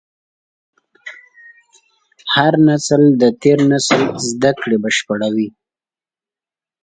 هر نسل د تېر نسل زدهکړې بشپړوي.